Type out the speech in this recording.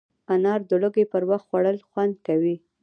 انار د لوږې پر وخت خوړل خوند کوي.